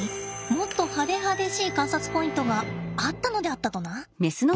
もっと派手派手しい観察ポイントがあったのであったとな。